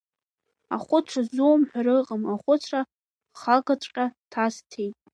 Ахәыцра ззумҳәара ыҟам, ахәыцра хагаҵәҟьа ҭасҵеит.